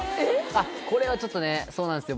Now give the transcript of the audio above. これはちょっとねそうなんですよ